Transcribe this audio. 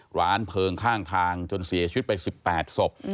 ร้านเพลิงข้างทางจนเสียชีวิตไป๑๘ศพ